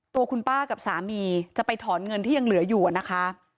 ตัวคุณป้ากับสามีจะไปถอนเงินที่ยังเหลืออยู่นะคะ